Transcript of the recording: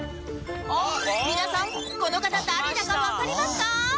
皆さんこの方誰だかわかりますか？